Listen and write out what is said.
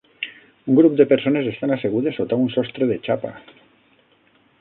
Un grup de persones estan assegudes sota un sostre de xapa.